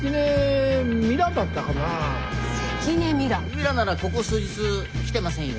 ミラならここ数日来てませんよ。